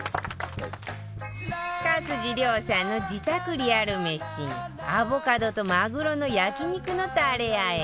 勝地涼さんの自宅リアル飯アボカドとマグロの焼肉のタレ和え